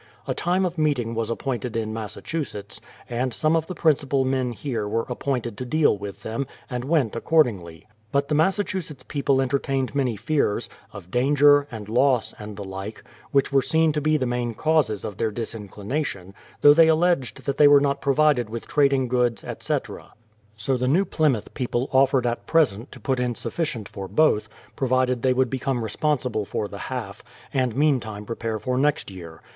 A time of meeting was appointed in Massachusetts, and some of the principal men here were appointed to deal with them, and went accordingly. But the Massachusetts people enter tained many fears, of danger, and loss, and the like, which were seen to be the main causes of their disinclination, though they alleged that they were not provided with trad ing goods, etc. So the New Plymouth people offered at present to put in sufficient for both, provided they would become responsible for the half, and meantime prepare for next year.